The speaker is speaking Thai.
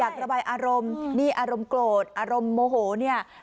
ระบายอารมณ์นี่อารมณ์โกรธอารมณ์โมโหเนี่ย